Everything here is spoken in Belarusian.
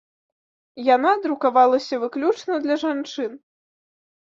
Яна друкавалася выключна для жанчын.